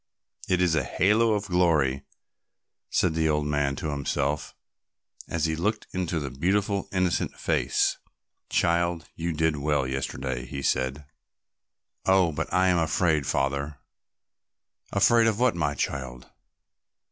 "It is a halo of glory," said the old man to himself as he looked into the beautiful innocent face. "Child, you did well yesterday," he said. "Oh, but I am afraid, Father." "Afraid of what, my child?"